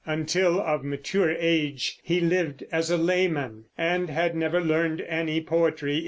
Until of mature age he lived as a layman and had never learned any poetry.